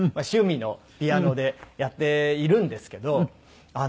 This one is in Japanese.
趣味のピアノでやっているんですけど。